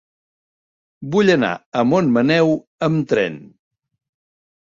Vull anar a Montmaneu amb tren.